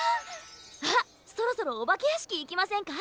あっそろそろおばけやしきいきませんか？